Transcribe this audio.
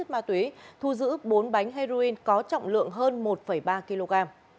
ma túy thu giữ bốn bánh heroin có trọng lượng hơn một ba kg